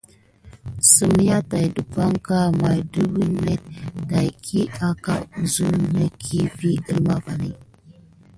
Semyà tàt ɗəpakɑŋ may də ninek dayki anka zuneki vi əlma vani.